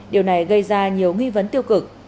điều này gây ra nhiều nghi vấn tiêu cực